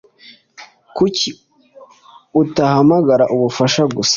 Kuki utahamagara ubufasha gusa?